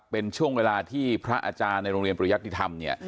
เป็นช่วงเวลาที่พระอาจารย์ในโรงเรียนปริยกฤษฐรรม